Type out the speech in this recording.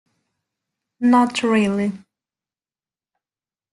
Not really ...